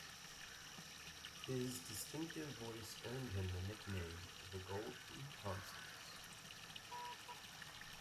His distinctive voice earned him the nickname "the Golden Tonsils".